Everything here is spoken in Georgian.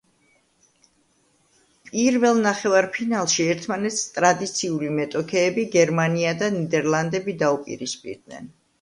პირველ ნახევარფინალში ერთმანეთს ტრადიციული მეტოქეები, გერმანია და ნიდერლანდები დაუპირისპირდნენ.